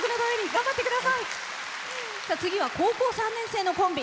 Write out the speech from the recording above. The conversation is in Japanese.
次は高校３年生のコンビ。